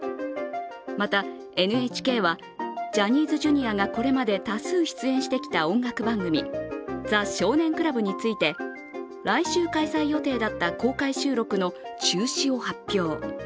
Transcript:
また、ＮＨＫは、ジャニーズＪｒ．がこれまで多数出演してきた音楽番組、「ザ少年倶楽部」について来週開催予定だった公開集録の中止を発表。